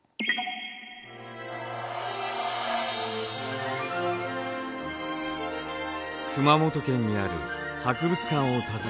熊本県にある博物館を訪ねました。